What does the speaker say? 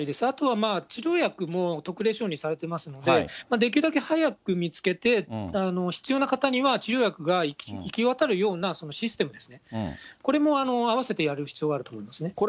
あとはまあ、治療薬も特例承認されていますので、できるだけ早く見つけて、必要な方には治療薬が行き渡るようなシステムですね、これもあわせてやる必要があると思いますね。